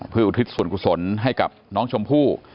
เพื่ออุทิศส่วนกุศลให้กับน้องชมพู่